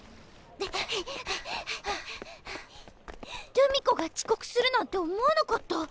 留美子がちこくするなんて思わなかった。